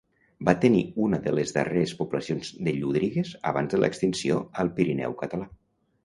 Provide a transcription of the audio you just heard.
Va tenir unes de les darreres poblacions de llúdrigues abans l'extinció al Pirineu català.